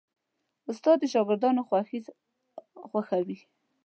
استاد د شاګردانو خوښي خوښوي.